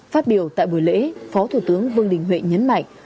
phát biểu tại buổi lễ phó thủ tướng vương đình huệ nhấn mạnh